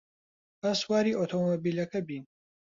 با سواری ئۆتۆمۆبیلەکە بین.